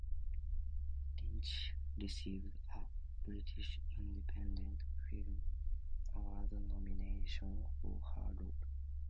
Lynch received a British Independent Film Award nomination for her role.